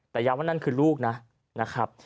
แต่ยังว่านั่นคือลูกนะ